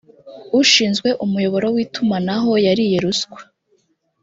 ushinzwe umuyoboro w itumanaho yariye ruswa